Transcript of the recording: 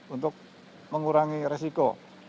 untuk mengurangi resiko